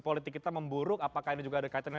politik kita memburuk apakah ini juga ada kaitannya